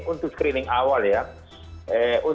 untuk screening awal pasien